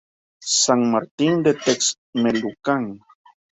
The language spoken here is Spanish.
San Martín Texmelucan